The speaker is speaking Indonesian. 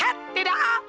hed tidak al